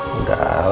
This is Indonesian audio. yang lebih banyak